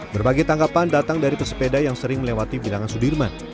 berbagai tanggapan datang dari pesepeda yang sering melewati bilangan sudirman